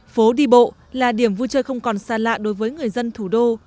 phố đi bộ là điểm vui chơi không còn xa lạ đối với người dân thủ đô